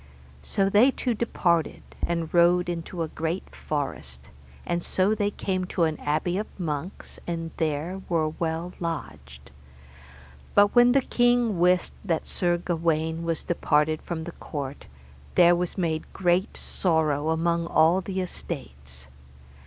So they two departed, and rode into a great forest, and so they came to an abbey of monks, and there were well lodged. But when the king wist that Sir Gawaine was departed from the court, there was made great sorrow among all the estates.